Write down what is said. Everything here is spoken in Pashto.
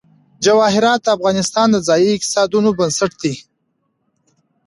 جواهرات د افغانستان د ځایي اقتصادونو بنسټ دی.